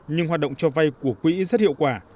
nhưng hoạt động cho vay của quỹ rất hiệu quả